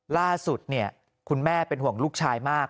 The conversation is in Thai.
ล่าสุดคุณแม่เป็นห่วงลูกชายมาก